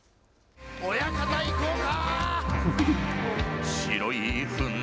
親方、行こうか。